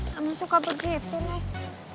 kamu suka begitu nek